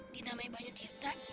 dinamai banyak terta